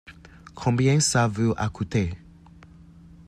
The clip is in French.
Combien ça vous a coûté ?